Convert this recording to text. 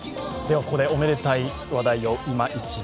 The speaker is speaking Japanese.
ここでおめでたい話題を、いま一度。